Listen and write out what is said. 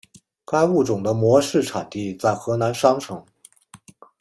该物种的模式产地在河南商城。